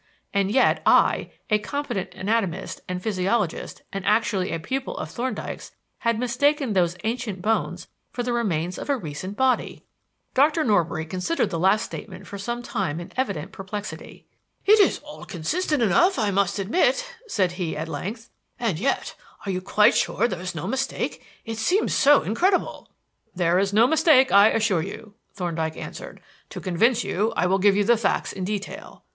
And yet I, a competent anatomist and physiologist and actually a pupil of Thorndyke's, had mistaken those ancient bones for the remains of a recent body! Dr. Norbury considered the last statement for some time in evident perplexity. "It is all consistent enough, I must admit," said he, at length, "and yet are you quite sure there is no mistake? It seems so incredible." "There is no mistake, I assure you," Thorndyke answered. "To convince you, I will give you the facts in detail.